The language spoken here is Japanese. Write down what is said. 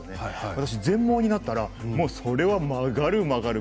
私、全盲になったらそれは曲がる曲がる。